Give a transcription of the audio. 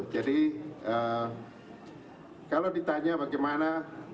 jadi kalau ditanya bagaimana